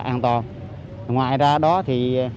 an toàn ngoài ra đó thì